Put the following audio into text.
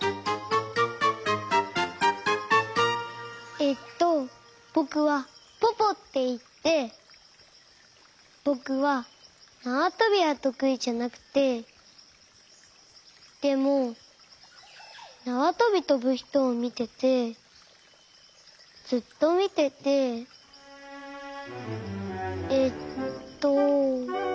えっとぼくはポポっていってぼくはなわとびはとくいじゃなくてでもなわとびとぶひとをみててずっとみててえっと。